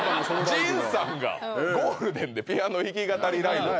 陣さんがゴールデンでピアノ弾き語りライブ